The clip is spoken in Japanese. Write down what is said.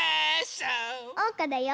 おうかだよ。